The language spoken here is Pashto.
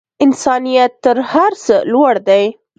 انسانیت تر هر څه لوړ دی.